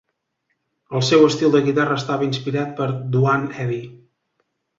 El seu estil de guitarra estava inspirat per Duane Eddy.